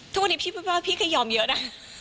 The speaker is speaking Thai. ทุกวันนี้พี่พูดว่าพี่ก็ยอมเยอะนะ